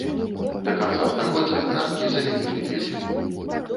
Да канца стагоддзя карткі замянілі лісты.